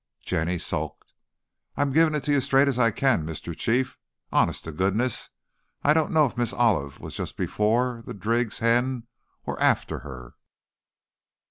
Jenny sulked. "I'm givin' it to you as straight's I can, Mr. Chief. Honest to goodness, I don't know if Miss Olive was just before the Driggs hen or after her!"